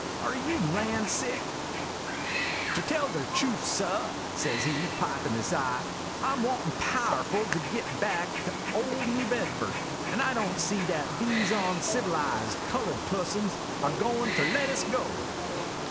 Are you land sick ?'" Ter tell de trufe, sah," says he, pipin' his eye, "I am wantin' powerful to git back ter ole New Bedford ; and I don't see dat dese oncivilized colored pussons are goin' ter let us go."